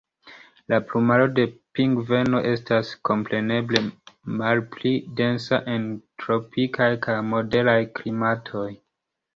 La plumaro de pingveno estas, kompreneble, malpli densa en tropikaj kaj moderaj klimatoj.